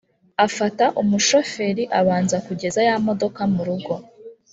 afata umu choferi abanza kugeze ya modoka murugo.